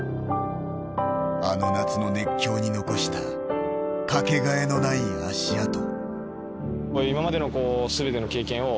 あの夏の熱狂に残したかけがえのない足跡。